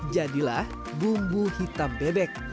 jadilah bumbu hitam bebek